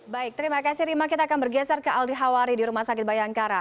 baik terima kasih rima kita akan bergeser ke aldi hawari di rumah sakit bayangkara